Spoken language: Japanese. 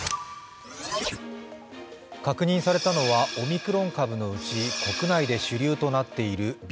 確認されたのはオミクロン株のうち国内で主流となっているＢＡ．